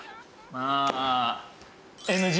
まあ。